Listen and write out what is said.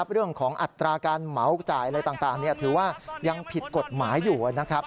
เรื่องของอัตราการเหมาจ่ายอะไรต่างถือว่ายังผิดกฎหมายอยู่นะครับ